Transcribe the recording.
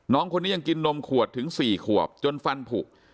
น้องคนนี้ยังกินนมขวดถึง๔ขวบจนฟันผูก